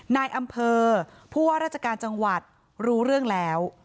นายอำเภอผู้ว่าราชการจังหวัดรู้เรื่องแล้ว